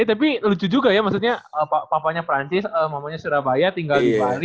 tapi lucu juga ya maksudnya papanya perancis mamanya surabaya tinggal di bali